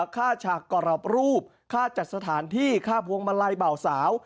ค่าฉากกรอบรูปค่าจัดสถานที่ค่าพวงมาลัยเบาสาว